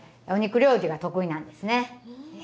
お肉料理が得意なんですね。